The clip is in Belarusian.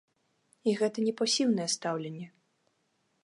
І гэта не пасіўнае стаўленне.